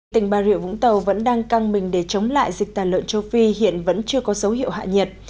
tỉnh bà rịa vũng tàu vẫn đang căng mình để chống lại dịch tàn lợn châu phi hiện vẫn chưa có dấu hiệu hạ nhiệt